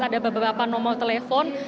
ada beberapa nomor telepon